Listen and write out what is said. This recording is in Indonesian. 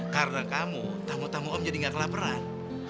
karena kamu tamu tamu om jadi gak kelaperan